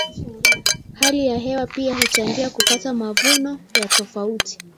hali ya hewa pia huchangia kupata mavuno ya tofauti